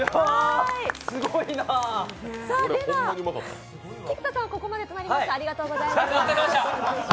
では菊田さん、ここまでとなります、ありがとうございました。